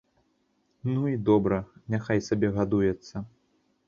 Ну, і добра, няхай сабе гадуецца!